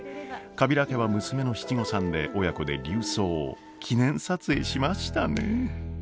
カビラ家は娘の七五三で親子で琉装を記念撮影しましたねえ。